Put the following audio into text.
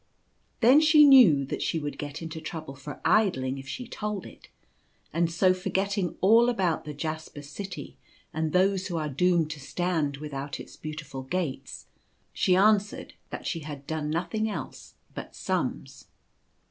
" Then she knew that she would get into trouble for idling if she told it; and so forgetting all about the Jasper City and those who are doomed to stand without its beautiful gates, she answered that she had done nothing else but sums.